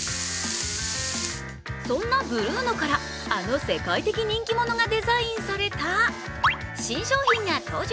そんなＢＲＵＮＯからあの世界的人気者がデザインされた新商品が登場。